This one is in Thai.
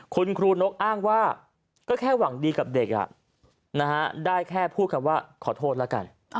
คุณครูนกอ้างว่าก็แค่หวังดีกับเด็กได้แค่พูดคำว่าขอโทษแล้วกัน